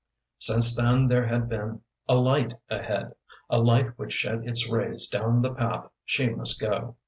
Since then there had been a light ahead, a light which shed its rays down the path she must go.